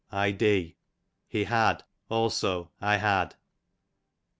Id, he had ; also I had.